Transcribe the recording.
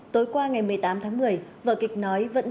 tối qua ngày một mươi tám tháng một mươi vợ kịch nói vẫn sống